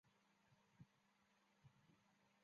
勒格罗迪鲁瓦人口变化图示